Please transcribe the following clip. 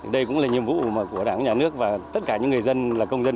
đây cũng là nhiệm vụ của đảng nhà nước và tất cả những người dân là công dân